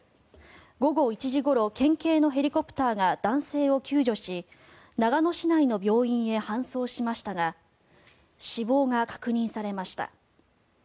午後１時ごろ県警のヘリコプターが男性を救助し長野市内の病院へ搬送しましたが死亡が確認されました。